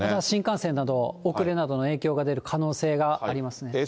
新幹線など、遅れなどの影響が出る可能性がありますね。